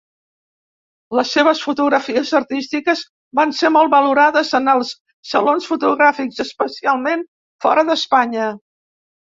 Les seves fotografies artístiques van ser molt valorades en els salons fotogràfics, especialment fora d'Espanya.